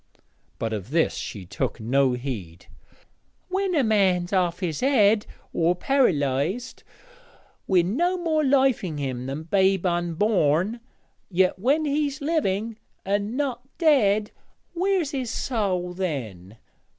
But of this she took no heed. 'When a man's off his head or par'lysed, wi' no more life in him than babe unborn yet when he's living and not dead where's his soäl then?